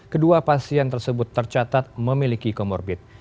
kedua pasien tersebut tercatat memiliki comorbid